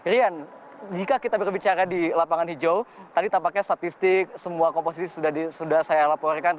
rian jika kita berbicara di lapangan hijau tadi tampaknya statistik semua komposisi sudah saya laporkan